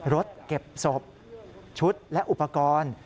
รถเก็บศพชุดและอุปกรณ์